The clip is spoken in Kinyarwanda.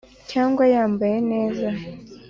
cyangwa yambaye neza